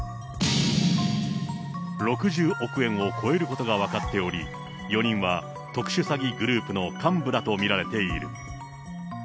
６０億円を超えることが分かっており、４人は特殊詐欺グループの幹部らと見られている。